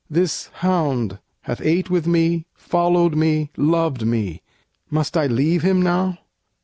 This hound hath ate with me, Followed me, loved me: must I leave him now?"